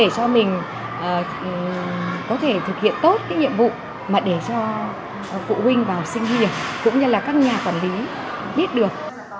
cho mình có thể thực hiện tốt cái nhiệm vụ mà để cho phụ huynh vào sinh hiểu cũng như là các nhà quản lý biết được